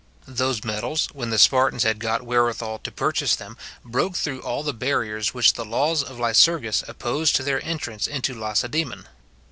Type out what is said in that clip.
Those metals, when the Spartans had got wherewithal to purchase them, broke through all the barriers which the laws of Lycurgus opposed to their entrance into Lacedaemon.